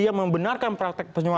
yang membenarkan praktek penyuapan